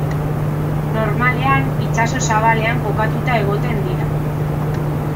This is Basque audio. Normalean itsaso zabalean kokatuta egoten dira.